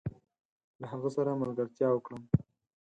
له هغه سره ملګرتيا وکړم؟